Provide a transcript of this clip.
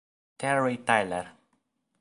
Terry Tyler